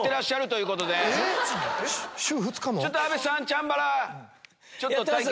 週２日も⁉阿部さんチャンバラ。